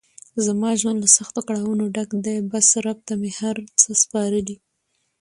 زما ژوند له سختو کړاونو ډګ ده بس رب ته مې هر څه سپارلی.